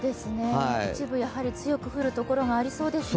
一部強く降るところがありそうですね。